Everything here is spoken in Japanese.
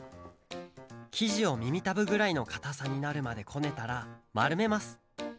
きじをみみたぶぐらいのかたさになるまでこねたらまるめます